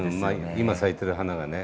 今咲いてる花がね